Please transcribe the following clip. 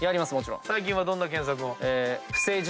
最近はどんな検索を？